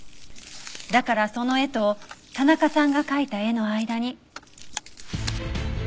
だからその絵と田中さんが描いた絵の間に。